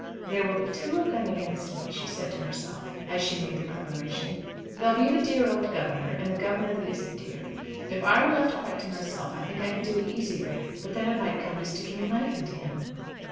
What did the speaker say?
"There will be two of them against me," she said to herself as she made the preparation. "There'll be the dear old governor, and the governor that isn't dear. If I were left quite to myself, I think I could do it easier. But then it might come to sticking a knife into him."